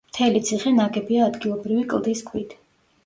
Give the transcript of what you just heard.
მთელი ციხე ნაგებია ადგილობრივი კლდის ქვით.